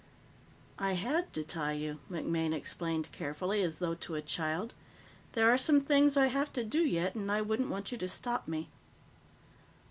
"I had to tie you," MacMaine explained carefully, as though to a child. "There are some things I have to do yet, and I wouldn't want you to stop me.